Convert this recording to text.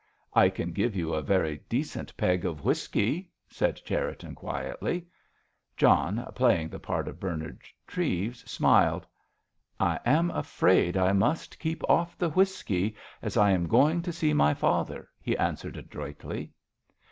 "I can give you a very decent peg of whisky," said Cherriton, quietly. John, playing the part of Bernard Treves, smiled. "I am afraid I must keep off the whisky, as I am going to see my father," he answered adroitly.